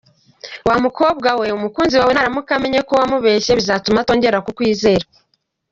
Wa mukobwa we umukunzi wawe naramuka amenye ko wamubeshye bizatuma atongera kukwizwera.